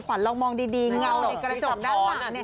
ขวัลลองมองดีแนวหน้ากระจกด้านหลัง